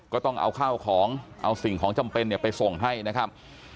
ก็ต้องเอาข้าวของเอาสิ่งของจำเป็นไปส่งให้นะครับ